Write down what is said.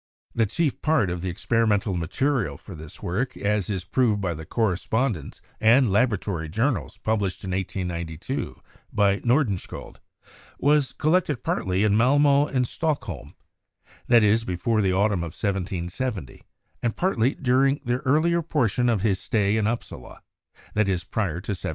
The chief part of the experimental material for this work, as is proved by the correspondence and laboratory journals published in 1892 by Nordenskiold, was collected partly in Malmo and Stockholm — that is, before the autumn of 1770, and partly during the earlier portion of his stay in Upsala — that is, prior to 1773.